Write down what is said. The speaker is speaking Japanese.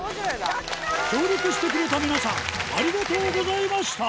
協力してくれた皆さんありがとうございました